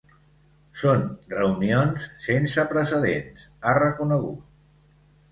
Són reunions sense precedents, ha reconegut.